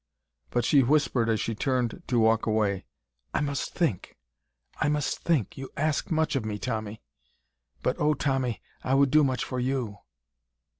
But she whispered as she turned to walk away: "I must think, I must think. You ask much of me, Tommy; but oh, Tommy, I would do much for you!"